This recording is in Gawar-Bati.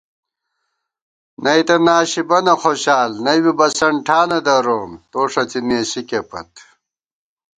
نئ تہ ناشی بَنہ خوشال نئ بی بسَن ٹھانہ دروم توݭڅی نېسِکےپت